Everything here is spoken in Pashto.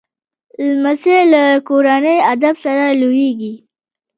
لمسی له کورني ادب سره لویېږي